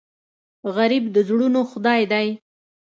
غریب د زړونو خدای دی